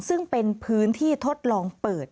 ซึ่งเป็นพื้นที่ทดลองเปิด